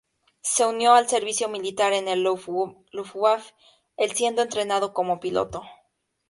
Se unió al servicio militar en la "Luftwaffe" el siendo entrenado como piloto.